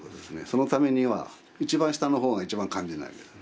そのためには一番下の方が一番肝心なわけです。